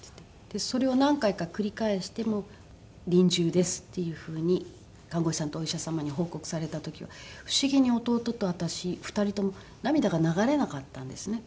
でそれを何回か繰り返して「臨終です」っていう風に看護師さんとお医者様に報告された時は不思議に弟と私２人とも涙が流れなかったんですね。